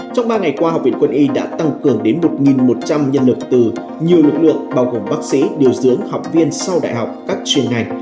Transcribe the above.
trong ba ngày qua học viện quân y đã tăng cường đến một một trăm linh nhân lực từ nhiều lực lượng bao gồm bác sĩ điều dưỡng học viên sau đại học các chuyên ngành